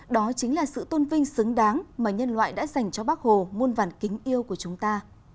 đó chính là sự tôn vinh xứng đáng mà nhân loại đã dành cho bác hồ muôn vàn kính yêu của chúng ta